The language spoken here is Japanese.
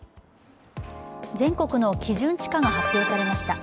全国の基準地価が発表されました。